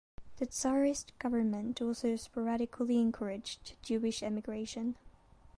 The Tsarist government also sporadically encouraged Jewish emigration.